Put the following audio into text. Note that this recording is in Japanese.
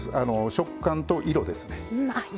食感と色ですね。